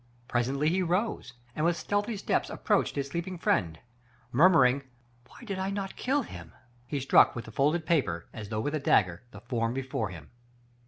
Presently he rose, and with stealthy steps ap proached his sleeping friend. Murmuring Why did I not kill him ?" he struck with the folded paper, as though with a dagger, the form before him.